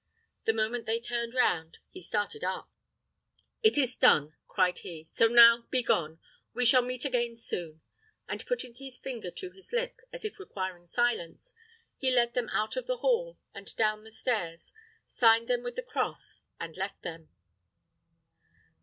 The moment they turned round, he started up. "It is done!" cried he; "so now, begone! We shall meet again soon;" and putting his finger to his lip, as if requiring silence, he led them out of the hall, and down the stairs, signed them with the cross, and left them.